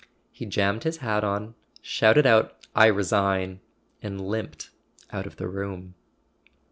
He jammed his hat on, shouted out "I resign," and limped out of the room.